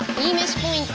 ポイント